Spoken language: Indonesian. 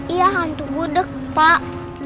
iya hantu budeg pak